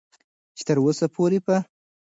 چې تر اوسه پورې په